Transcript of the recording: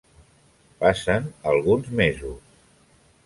Passen alguns mesos.